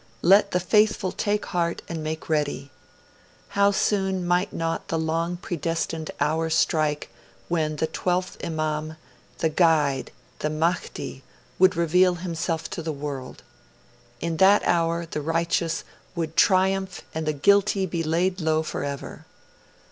Let the faithful take heart and make ready. How soon might not the long predestined hour strike, when the twelfth Imam, the guide, the Mahdi, would reveal himself to the world?' In that hour, the righteous 'Would triumph and the guilty be laid low forever.'